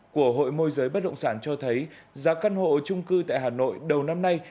của hội môi giới bất động sản cho thấy giá căn hộ trung cư tại hà nội đầu năm nay